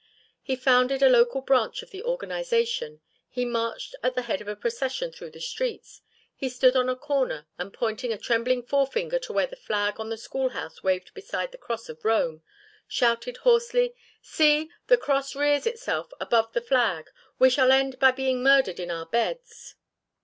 He founded a local branch of the organisation; he marched at the head of a procession through the streets; he stood on a corner and pointing a trembling forefinger to where the flag on the schoolhouse waved beside the cross of Rome, shouted hoarsely, "See, the cross rears itself above the flag! We shall end by being murdered in our beds!"